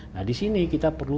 nah disini kita perlu